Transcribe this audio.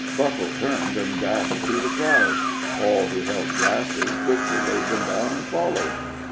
Buffle turned and dashed through the crowd; all who held glasses quickly laid them down and followed.